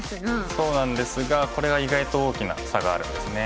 そうなんですがこれは意外と大きな差があるんですね。